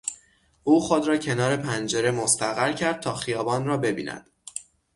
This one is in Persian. او خود را کنار پنجره مستقر کرد تا خیابان را ببیند.